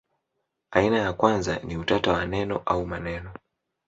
Aina ya kwanza ni utata wa neno au maneno.